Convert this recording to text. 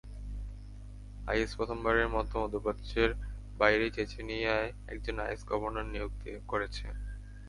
Is প্রথমবারের মতো মধ্যপ্রাচ্যের বাইরে চেচনিয়ায় একজন আইএস গভর্নর নিয়োগ করেছে।